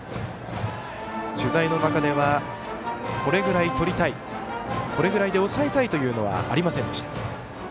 取材の中ではこれぐらい取りたいこれぐらいで抑えたいというのはありませんでした。